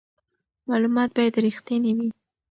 معلومات باید رښتیني وي.